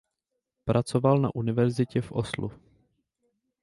Pracoval na univerzitě v Oslu.